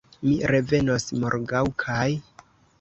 Mi revenos morgaŭ kaj